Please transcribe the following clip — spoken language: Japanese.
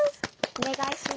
お願いします。